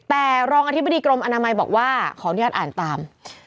แต่รองอธิบดีกรมอนามัยบอกว่าขออนุญาตอ่านตาม